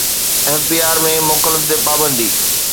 F B R ۾ موڪلن تي پابندي